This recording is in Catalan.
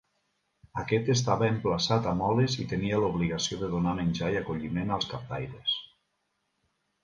Aquest estava emplaçat a Moles i tenia l'obligació de donar menjar i acolliment als captaires.